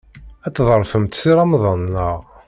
Ad tḍefremt Si Remḍan, naɣ?